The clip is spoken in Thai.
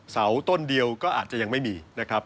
เสาต้นเดียวก็อาจจะยังไม่มีนะครับ